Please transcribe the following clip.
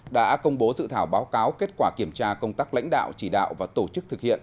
đã công bố dự thảo báo cáo kết quả kiểm tra công tác lãnh đạo chỉ đạo và tổ chức thực hiện